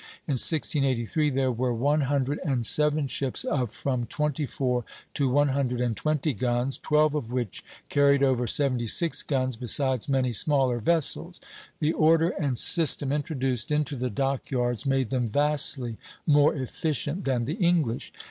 In 1683 there were one hundred and seven ships of from twenty four to one hundred and twenty guns, twelve of which carried over seventy six guns, besides many smaller vessels. The order and system introduced into the dock yards made them vastly more efficient than the English.